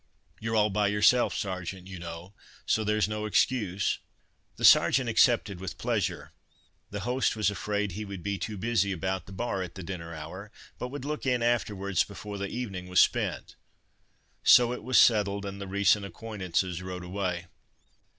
You're all by yourself, Sergeant, you know, so there's no excuse." The Sergeant accepted with pleasure; the host was afraid he would be too busy about the bar at the dinner hour, but would look in afterwards, before the evening was spent. So it was settled, and the recent acquaintances rode away.